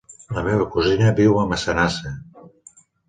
La meva cosina viu a Massanassa.